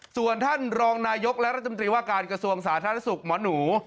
ส่วนท่านรองนายกและรัฐมนตรีว่าการกระทรวงสาธารณสุขหมอหนู